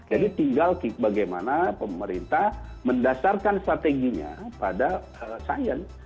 jadi tinggal bagaimana pemerintah mendasarkan strateginya pada science